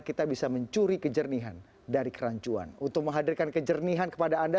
kita bisa mencuri kejernihan dari kerancuan untuk menghadirkan kejernihan kepada anda